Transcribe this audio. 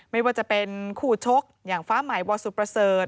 ไม่ว่าจะเป็นคู่ชกอย่างฟ้าใหม่วสุประเสริฐ